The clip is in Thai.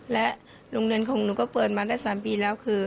และโรงเรียนของหนูก็เปิดมาได้๓ปีแล้วคือ